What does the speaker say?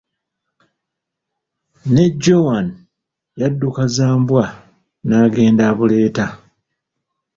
Ne Jowani yadduka za mbwa, n'agenda abuleeta.